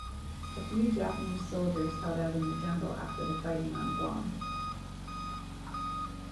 A few Japanese soldiers held out in the jungle after the fighting on Guam.